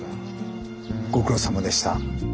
ご苦労さまでした。